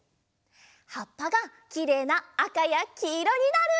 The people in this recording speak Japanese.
はっぱがきれいなあかやきいろになる！